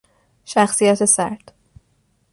شخصیت سرد